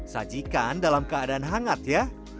sajikan dalam keadaan hangat ya